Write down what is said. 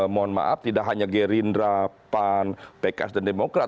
mohon maaf tidak hanya gerindra pan pks dan demokrat